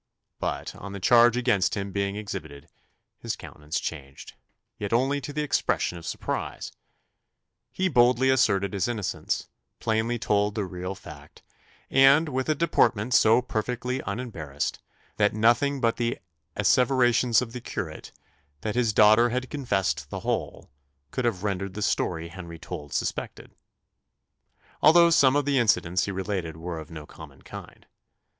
But, on the charge against him being exhibited, his countenance changed yet only to the expression of surprise! He boldly asserted his innocence, plainly told the real fact, and with a deportment so perfectly unembarrassed, that nothing but the asseverations of the curate, "that his daughter had confessed the whole," could have rendered the story Henry told suspected; although some of the incidents he related were of no common kind.